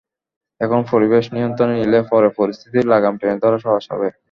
এখনই পরিবেশ নিয়ন্ত্রণে নিলে পরে পরিস্থিতির লাগাম টেনে ধরা সহজ হবে।